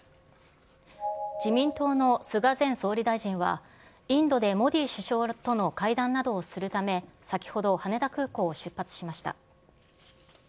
自民党の菅前総理大臣は、インドでモディ首相との会談などをするため、先ほど、羽田空港を出発しました。